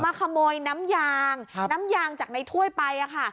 ขโมยน้ำยางน้ำยางจากในถ้วยไปค่ะ